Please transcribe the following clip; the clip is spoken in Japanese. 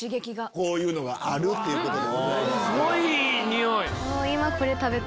こういうのがあるっていうことでございます。